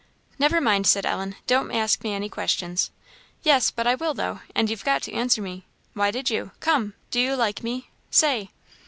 "Never mind," said Ellen; "don't ask me any questions." "Yes, but I will though: and you've got to answer me. Why did you? Come! do you like me? say!"